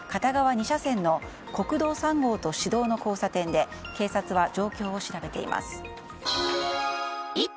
２車線の国道３号と市道の交差点で警察は状況を調べています。